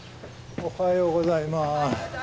おはようございます。